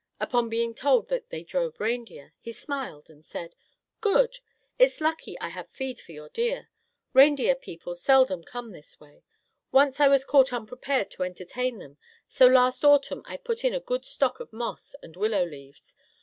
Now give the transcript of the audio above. Upon being told that they drove reindeer, he smiled and said: "Good. It's lucky I have feed for your deer. Reindeer people seldom come this way. Once I was caught unprepared to entertain them, so last autumn I put in a good stock of moss and willow leaves.